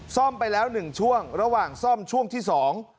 ซ่อมไปแล้วหนึ่งช่วงระหว่างซ่อมช่วงที่สอง